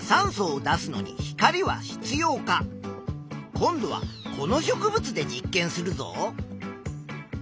今度はこの植物で実験するぞ。